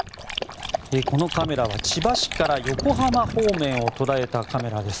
このカメラは千葉市から横浜方面を捉えたカメラです。